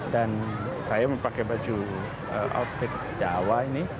dan saya memakai baju outfit jawa ini